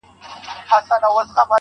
د زړه رگونه مي د باد په هديره كي پراته.